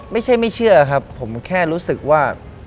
ไม่ใช่ไม่เชื่อครับผมแค่รู้สึกว่า